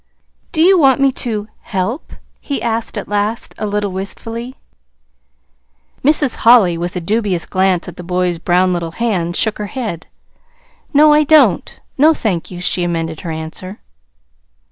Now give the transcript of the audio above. "Do you want me to help?" he asked at last, a little wistfully. Mrs. Holly, with a dubious glance at the boy's brown little hands, shook her head. "No, I don't. No, thank you," she amended her answer.